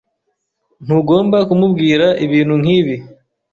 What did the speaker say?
Ntugomba kumubwira ibintu nkibi.